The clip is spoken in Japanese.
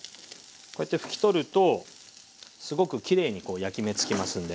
こうやって拭き取るとすごくきれいに焼き目つきますんで。